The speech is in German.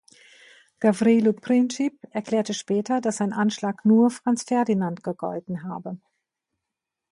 Gavrilo Princip erklärte später, dass sein Anschlag nur Franz Ferdinand gegolten habe.